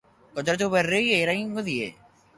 Kontratu berriei eragingo die.